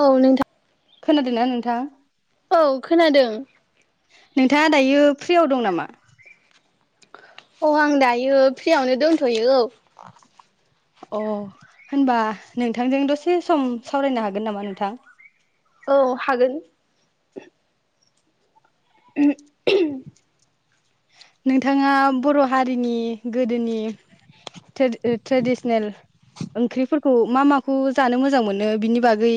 औ नोंथां खोनादोंना नोंथां? औ खोनादों नोंथाङा दायो फ्रियाव दं नामा? अ आं दायो फ्रियावनो दंथ'यो औ। [inaudible] अ होनबा नोंथांजों दसे सम सावरायनो हागोन नामा नोंथां? औ हागोन। [unintelligible] नोंथाङा बर' हारिनि गोदोनि ट्रेडि-ट्रेडिसिनेल ओंख्रिफोरखौ मा माखौ जानो मोजां मोनो बिनि बागै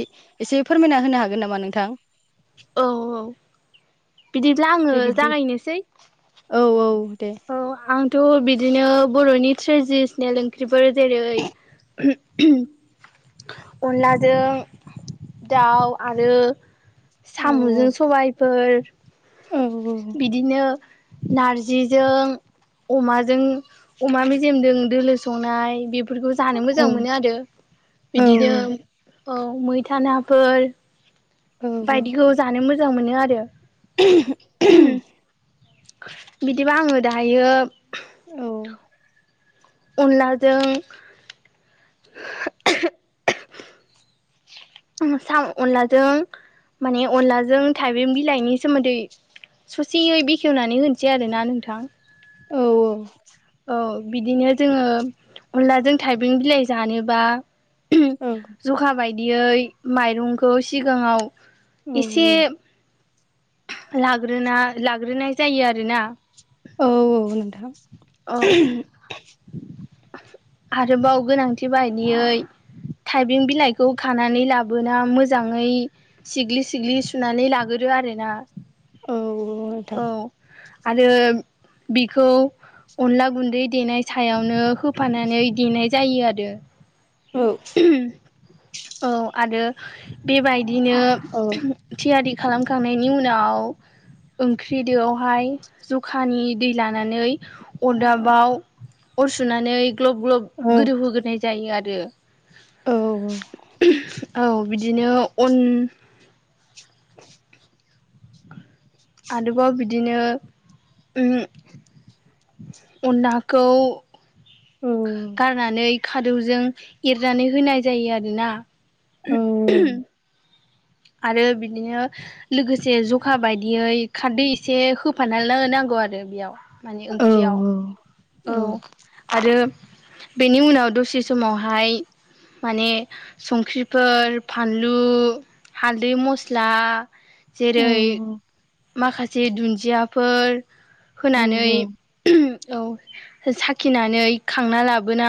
एसे फोरमायना होनो हागोन नामा नोंथां? [inaudible] औ औ बिदिब्ला आङो दे बिदि जागायनोसै। औ औ दे औ आंथ' बिदिनो बर'नि ट्रेडिसनेल ओंख्रिफोर जेरै अनलाजों दाउ आरो औ साम'जों सबायफोर औ बिदिनो नारजिजों अमाजों अमा मेजेमदों दोलो संनाय बे बेफोरखौ जानो औ मोजां मोनो आरो औ बिदिनो औ मैथा नाफोर। औ बायदिखौ जानो मोजां मोनो आरो। [unintelligible] बिदिबा आङो दायो औ अनलाजों साम अनलाजों माने अनलाजों थाइबें बिलाइनि सोमोनदै ससेयै बेखेवनानै होनोसै आरोना नोंथां। औ औ औ बिदिनो जोङो अनलाजों थाइबें बिलाइ जानोबा ज'खा बायदियै माइरंखौ सिगाङाव इसे लाग्रोना लाग्रोनाय जायो आरोना। औ औ नोंथां। औ आरोबाव गोनांथि बायदियै थाइबें बिलाइखौ खानानै लाबोना मोजाङै सिग्लि सिग्लि सुनानै लागोरो। बे आरो आरोना। औ औ नोंथां। आरो बिखौ अनला गुनदै देनाय सायावनो होफानानै देनाय जायो आरो औ ‌। औ आरो बेबायदिनो औ थियारि खालामखांनायनि उनाव ओंख्रि दोयावहाय ज'खानि दै लानानै अरदाबाव अर सुनानै ग्लब ग्लब गोदौहोग्रोनाय जायो आरो औ औ बिदिनो अन [inaudible] आरोबाव बिदिनो ओम अनलाखौ औ गारनानै खादौजों एरनानै होनाय जायो आरोना। औ [unintelligible] आरो बिदिनो लोगोसे जखा बायदियै खारदै एसे होफानानै नांगौ बेयाव माने ओंख्रियाव औ दो औ आरो बेनि उनाव दसे समावहाय माने संख्रिफोर फानलु हालदै मस्ला औ जेरै माखासे दुन्दियाफोर होनानै औ साखिनानै खांना लाबोना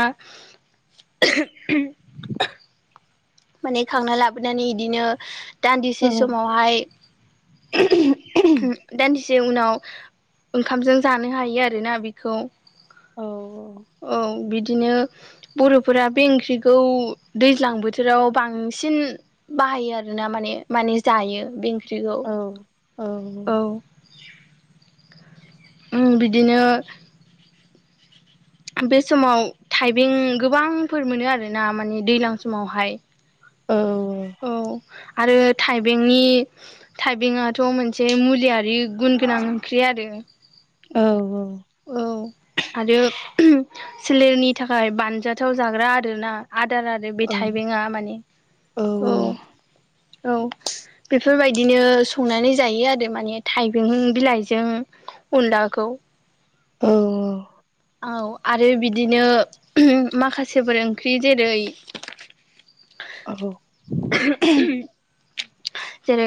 माने खांना लाबोनानै बिदिनो दान्दिसे समावहाय दानदिसे एसे उनाव ओंखामजों जानो हायो आरोना बेखौ औ बिदि बिदिनो बर'फोरा बे ओंख्रिखौ दैज्लांबोथोर बोथोराव बांसिन बाहायो आर ना माने माने जायो बे ओंख्रि बिदिखौ औ औ बिदिनो बे समाव थाइबें गोबांफोर मोनो आरोना माने दैज्लां समावहाय औ औ आरो थाइबेंनि थाइबेंङाथ' मोनसे मुलियारि गुन गोनां ओंख्रि आरो औ औ औ आरो सोलेरनि थाखाय बानजाथाव जाग्रा आरोना आदार आरो बे थाइबेंआ माने औ। औ बेफोरबायदिनो संनानै जायो आरो माने थाइबें बिलाइजों। उनलाखौ औ औ औ आरो बिदिनो माखासेफोर ओंख्रि जेरै औ जेरै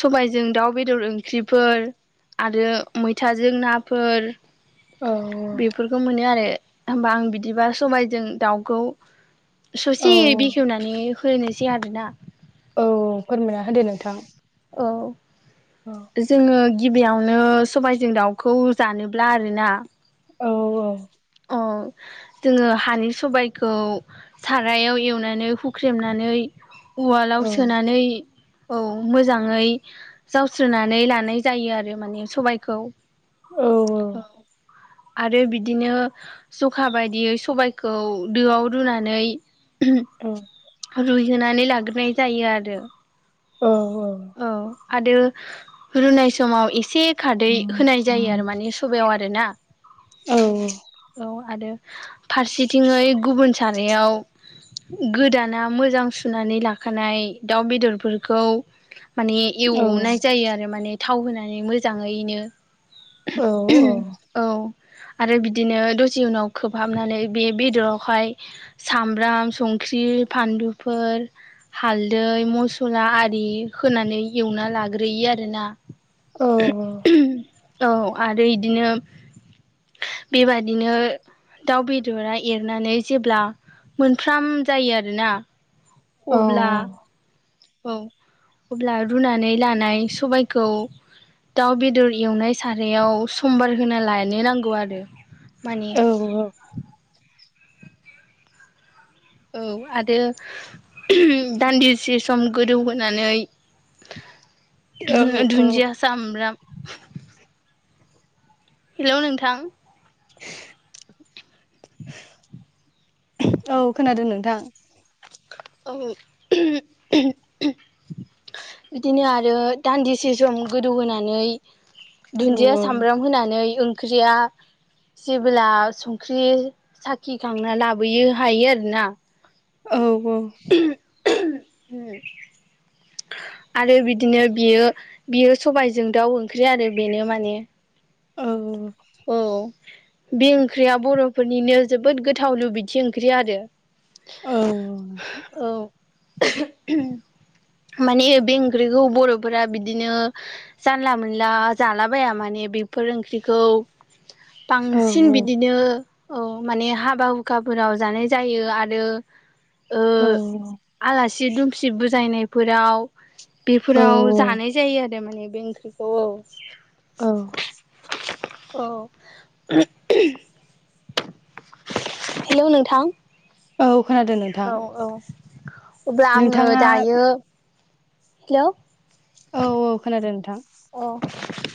सबायजों दाउ बेदर ओंख्रिफोर आरो मैथाजों नाफोर बेफोरखौ मोनो आरो होमबा आं बिदिबा सबायजों दाउखौ ससे बेखेवनानै होनोसै आरोना। औ फोरमायना होदो नोंथां। औ औ जोङो गिबियावनो सबायजों दाउखौ जानोब्ला आरोना औ औ अ जोङो हानि सबायखौ सारायाव एवनानै हुख्रेमनानै उवालाव औ सोनानै औ मोजाङै जावस्र'नानै लानाय जायो आरो माने सबायखौ। औ औ आरो बिदिनो जखा बायदियै सबायखौ दोआव रुनानै रुइहोनानै लाग्रोनाय जायो आरो। औ औ आरो रुनाय समाव एसे खारदै होनाय जायो आरो माने सबायाव आरोना। औ औ सानायाव गोदाना मोजां सुनानै लाखानाय दाउ बेदरफोरखौ माने एवनाय जायो आरो माने थाव होनानै मोजाङैनो। औ औ आरोदि बिदिनो दसे उनाव खोबहाबनानै बे बेदरावहाय सामब्राम संख्रि फान लुफोर हालदै मसला आरि होनानै एवना लाग्रोयो आरोना। औ औ आरो इदिनो बेबादिनो दाउ बेदरा एरनानै जेब्ला मोनफ्राम जायो आरोना। अब्ला औ औ अब्ला रुनानै लानाय सबाइखौ दाउ बेदर एवनाय सारायाव समबार होना लानो नांगौ आरो। माने औ औ आरो दान्दिसे सम गोदौहोनानै [inaudible] औ औ धुन-धुन्जिया सामब्राम हेलौ नोंथां [inaudible] औ खोनादों नोंथां। औ बिदिनो आरो दान्दिसे सम गोदौहोनानै औ औ दुन्दिया सामब्राम होनानै ओंख्रिया जेबोला संख्रि साखिखांना लाबोयो हायो आरोना। [inaudible] [inaudible] [inaudible] आरो बिदिनो बियो बियो सबायजों दाउ ओंख्रि आरो बेनो माने औ औ बे ओंख्रिया बर'फोरनिनो जोबोद गोथाव लुबैथि ओंख्रि आरो। औ औ माने बे ओंख्रिखौ बर'फोरा बिदिनो जानला मोनला जाला बाया माने बेफोर ओंख्रिखौ बांसिन बिदिनो औ माने हाबा हुखाफोराव जानाय जायो आरो। ओ औ आलासि दुमसि बुजायनायफोराव बेफोराव जानाय जायो आरो माने बे ओंख्रिखौ औ औ [inaudible] हेलौ नोंथां। औ खोनादों नोंथां औ औ अब्ला आङो नोंथाङा दायो हेलौ औ औ खोनादों नोंथां। अ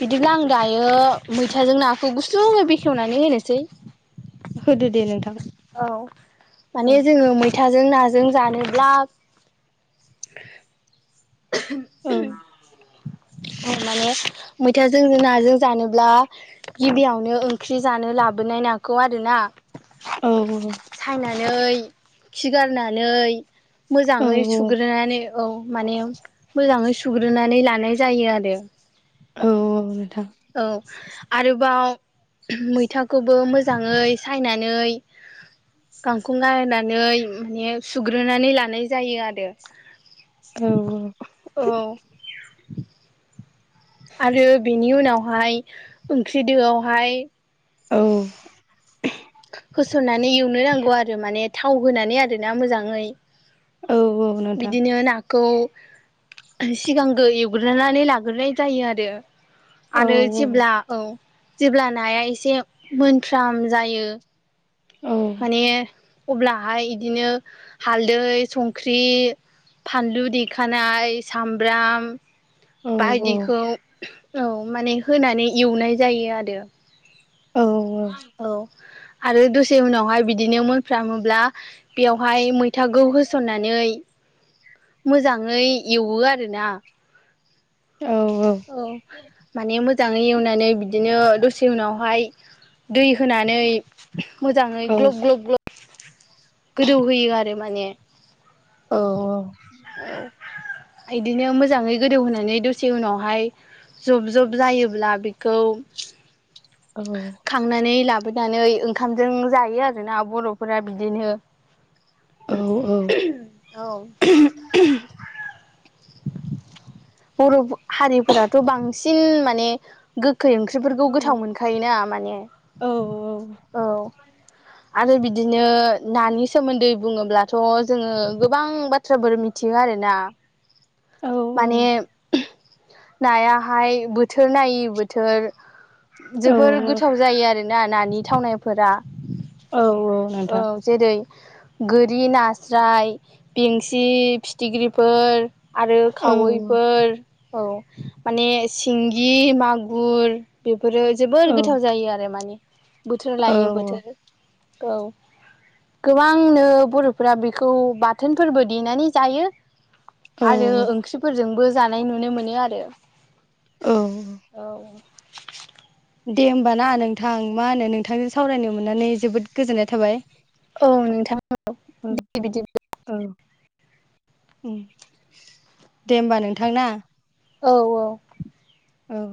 बिदिब्ला आं दायो मैथाजों नाखौ गुस्लुङै बेखेवनानै होनोसै। होदो दे नोंथां। औ माने जोङो मैथाजों नाजों जानोब्ला औ माने मैथाजों नाजों जानोब्ला गिबियावनो ओंख्रि जानो लाबोनाय ना बेखौ आरोना औ नानै खिगारनानै औ मोजाङै सुग्रोनानै औ माने मोजाङै सुग्रोनानै लानाय जायो आरो। औ औ नोंथां। औ आरोबाव मैथाखौबो मोजाङै सायनानै गांखो गारनानै माने सुग्रोनानै लानाय जायो आरो। औ औ आरो बेनि उनावहाय ओंख्रिदोआवहाय औ होसननानै एवनो नांगौ आरो माने थाव होनानै आरोना मोजाङै। औ औ नोंथां। खौ सिगांगो एवग्रोनानै लाग्रोनाय जायो आरो। औ आरो जेब्ला औ जेब्ला नाया एसे मोनफाराम जायो। औ माने अब्लाहाय बिदिनो हालदै संख्रि फानलु देखानाय सामब्राम औ औ बायदिखौ औ माने होनानै एवनाय जायो आरो। औ औ औ आरो दसे उनावहाय बिदिनो मोनफ्रामोब्ला बेयावहाय मैथाखौ होसननानै मोजाङै एवो आरो ना। औ माने मोजाङै एवनानै बिदिनो दसे उनावहाय दै होनानै मोजाङै ग्लब ग्लब ग्लब गोदौहोयो आरो माने औ बिदिनो मोजाङै गोदौहोनानै दसे उनावहाय जब जब जायोब्ला बेखौ खांनानै लाबो लाबोनानै ओंखामजों जायो आरोना बर'फोरा बिदिनो औ बर' हारिफोराथ' बांसिन माने गोखा गोखै ओंख्रिफोरखौ गोथाव मोनखायोना माने औ औ आरो बिदिनो नानि सोमोन्दै बुङोब्लाथ' जोङो गोबां बाथ्राफोर मिथियो आरो। आरो ना औ माने नायाहाय बोथोर नायै बोथोर जोबोर गोथाव जायो आरोना नानि थावनायफोरा। औ औ नोंथां। औ जेरै गोरि नास्राय बेंसि फिथिख्रिफोर। आरो औ खावै माने सिंगि मागुर बेफोरो जोबोर औ गोथाव जायो आरो माने बोथोर लायो बोथोर औ। गोबांनो बर'फोरा बेखौ बाथोनफोरबो देनानै जायो। औ आरो ओंख्रिफोरजोंबो जानाय नुनो मोनो आरो। औ दे होमबा ना नोंथां मा होनो नोंथांजों सावरायनो मोननानै जोबोद गोजोननाय थाबाय। औ नोंथां औ दे बिदिब्ला। औ दे होमबा नोंथां ना? औ औ